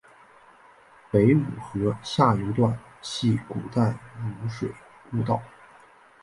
北汝河下游段系古代汝水故道。